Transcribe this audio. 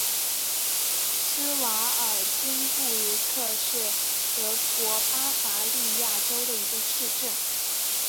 施瓦尔岑布鲁克是德国巴伐利亚州的一个市镇。